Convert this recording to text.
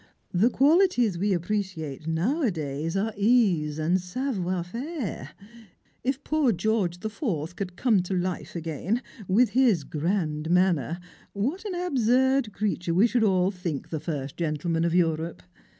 The qualities we appreciate nowadays are ease and savoir fairfc. If poor George the Fourth could come to life again, with his grand manner, what an absurd creature we should all think the first gentleman of Europe!"